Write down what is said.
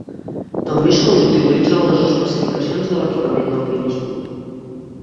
També se'ls utilitza en les especificacions de l'equipament d'alpinisme.